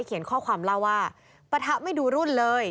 เขียนข้อความเล่าว่าปะทะไม่ดูรุ่นเลย